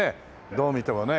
どう見てもね。